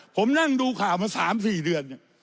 ผมนั่งดูข่าวมา๓๔เดือน